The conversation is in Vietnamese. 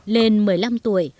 lên một mươi năm tuổi